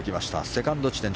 セカンド地点。